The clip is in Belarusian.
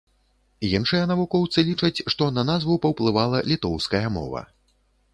Іншыя навукоўцы лічаць, што на назву паўплывала літоўская мова.